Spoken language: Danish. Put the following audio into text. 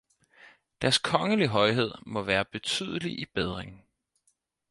Deres kongelige højhed må være betydelig i bedring